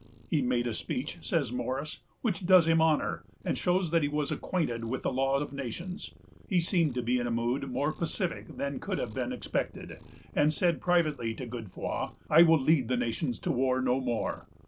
"He made a speech," says Morris, "which does him honor, and shows that he was acquainted with the law of nations." He seemed in a mood more pacific than could have been expected, and said privately to Godefroy: "I will lead the nations to war no more.